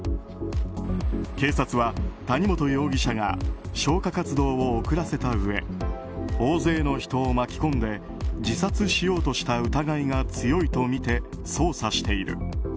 警察は、谷本容疑者が消火活動を遅らせたうえ大勢の人を巻き込んで自殺しようとした疑いが強いとみて捜査している。